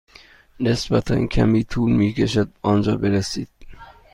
نسبتا کمی طول می کشد به آنجا برسید.